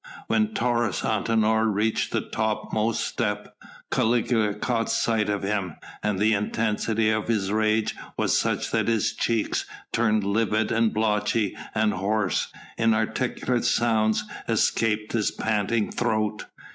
When Taurus Antinor reached the topmost step Caligula caught sight of him, and the intensity of his rage was such that his cheeks turned livid and blotchy and hoarse inarticulate sounds escaped his panting throat.